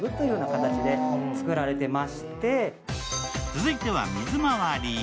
続いては水まわり。